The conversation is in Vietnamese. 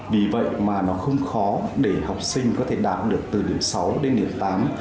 vì vậy mà nó không khó để học sinh có thể đạt được từ điểm sáu đến điểm tám